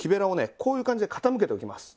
こういう感じで傾けておきます。